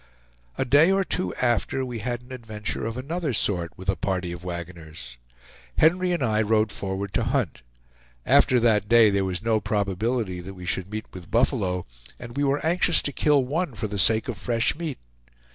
A day or two after, we had an adventure of another sort with a party of wagoners. Henry and I rode forward to hunt. After that day there was no probability that we should meet with buffalo, and we were anxious to kill one for the sake of fresh meat.